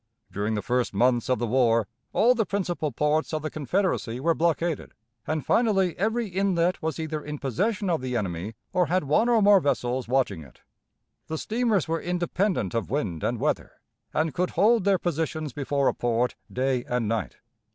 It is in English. During the first months of the war all the principal ports of the Confederacy were blockaded, and finally every inlet was either in possession of the enemy or had one or more vessels watching it. The steamers were independent of wind and weather, and could hold their positions before a port day and night.